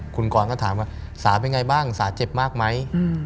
คุณกรก็ถามว่าสาเป็นไงบ้างสาเจ็บมากไหม